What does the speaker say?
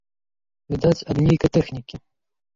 Відаць, ад нейкай тэхнікі.